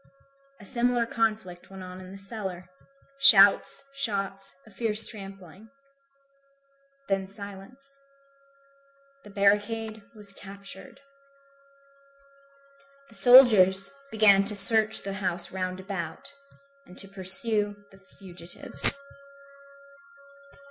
A similar conflict went on in the cellar. Shouts, shots, a fierce trampling. Then silence. The barricade was captured. The soldiers began to search the houses round about, and to pursue the fugitives.